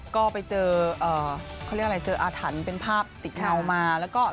ก็ไปเจอเขาเรียกอะไรเจออาถรรพ์เป็นภาพติดเงามาแล้วก็